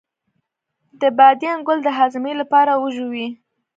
د بادیان ګل د هاضمې لپاره وژويئ